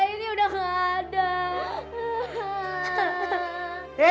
kak aini sudah menghadang